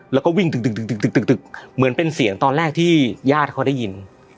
แล้วก็วิ่งตึกตึกตึกตึกตึกตึกเหมือนเป็นเสียงตอนแรกที่ญาติเขาได้ยิน